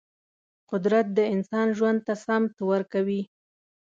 قدرت د انسان ژوند ته سمت ورکوي.